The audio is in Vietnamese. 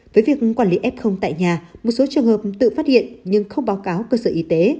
với việc quản lý f tại nhà một số trường hợp tự phát hiện nhưng không báo cáo cơ sở y tế